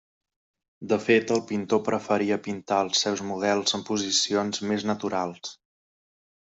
De fet, el pintor preferia pintar els seus models en posicions més naturals.